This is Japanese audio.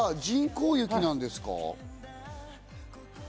人工雪なんですよ。